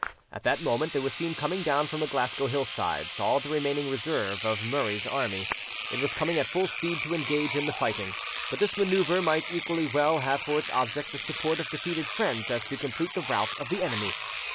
At that moment there was seen coming down from the Glasgow hillsides all the remaining reserve of Murray's army; it was coming at full speed to engage in the fighting; but this manoeuvre might equally well have for its object the support of defeated friends as to complete the rout of the enemy.